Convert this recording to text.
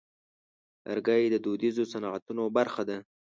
لرګی د دودیزو صنعتونو برخه ده.